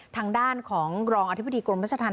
ทางด้านของรองอธิบดีกรมราชธรรม